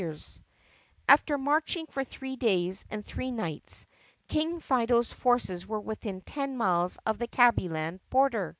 THE PUSSYCAT PRINCESS 121 After marching for three days and three nights, King Fido's forces were within ten miles of the Tabbyland border.